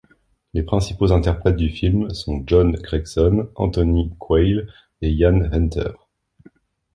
Les principaux interprètes du film sont John Gregson, Anthony Quayle et Ian Hunter.